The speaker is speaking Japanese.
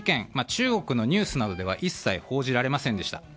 中国のニュースなどでは一切、報じられませんでした。